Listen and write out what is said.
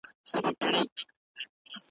ما به څرنګه پر لار کې محتسب خانه خرابه .